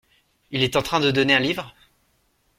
Il est en train de donner un livre ?